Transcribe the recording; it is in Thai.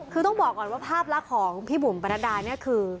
คือต้องบอกก่อนว่าภาพลาของพี่บุ๋มปรณัดารณ์คือ